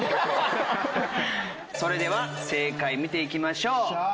それでは正解見ていきましょう。